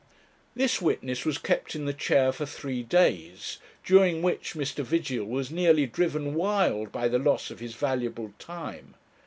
This witness was kept in the chair for three days, during which Mr. Vigil was nearly driven wild by the loss of his valuable time.